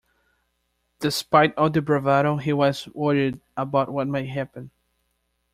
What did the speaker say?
Despite all the bravado he was worried about what might happen.